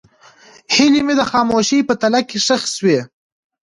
هیلې مې د خاموشۍ په تله کې ښخې شوې.